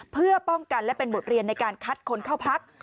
เพื่อป้องกันและเป็นบทเรียนในการคัดคนเข้าพัก